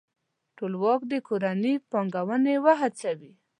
ټولواک دې کورني پانګوونکي وهڅوي.